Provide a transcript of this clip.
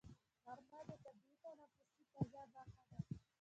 غرمه د طبیعي تنفسي فضا برخه ده